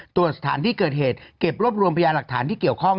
ตรวจสถานที่เกิดเหตุเก็บรวบรวมพยาหลักฐานที่เกี่ยวข้อง